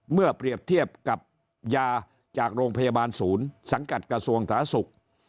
เมื่อเปรียบเทียบกับยาจากโรงพยาบาลศูนย์สังกัดกระทรวงสาธารณสุข